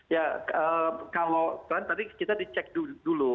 ya kalau tren tadi kita dicek dulu